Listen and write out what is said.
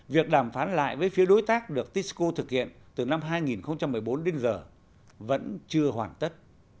việc đàm phán lại với phía đối tác được tisco thực hiện từ năm hai nghìn một mươi bốn đến giờ vẫn chưa hoàn tất